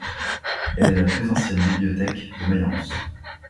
Elle est la plus ancienne bibliothèque de Mayence.